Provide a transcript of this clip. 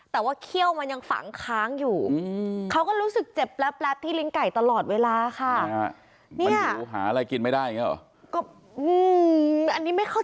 แต่ว่าเขี้ยวมันยังฝังค้างอยู่เขาก็รู้สึกเจ็บแป๊บที่ลิ้นไก่ตลอดเวลาค่ะ